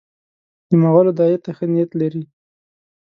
د مغولو داعیې ته ښه نیت لري.